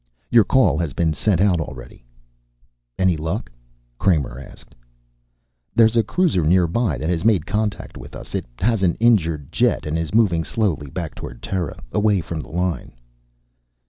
"Your call has been sent out already." "Any luck?" Kramer asked. "There's a cruiser nearby that has made contact with us. It has an injured jet and is moving slowly back toward Terra, away from the line."